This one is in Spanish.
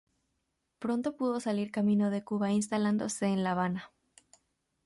Pronto pudo salir camino de Cuba, instalándose en La Habana.